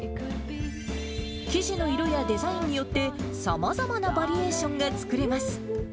生地の色やデザインによって、さまざまなバリエーションが作れます。